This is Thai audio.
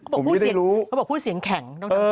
เขาบอกผู้เสียงแข็ง